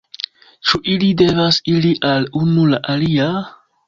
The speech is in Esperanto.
Ĉu ili devas iri al unu la alia...